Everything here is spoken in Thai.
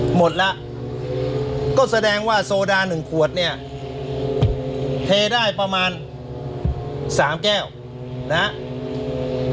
หมดแล้วก็แสดงว่าโซดาหนึ่งขวดเนี่ยเทได้ประมาณสามแก้วนะครับ